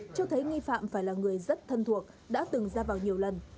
cho thấy nghi phạm phải là người rất thân thuộc đã từng ra vào nhiều lần